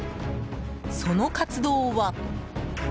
その活動は。